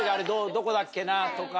どこだっけな？とか。